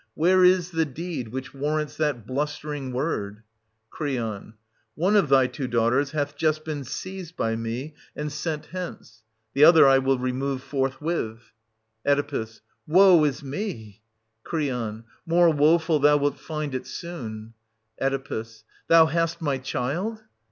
Where is the deed which warrants that bluster ing word ? Cr. One of thy two daughters hath just been seized by me, and sent hence, — the other I will remove lorth with. 820—837] OEDIPUS AT COLONUS, 91 Oe. Woe is me ! Cr. More woeful thou wilt find 820 it soon. Oe. Thou hast my child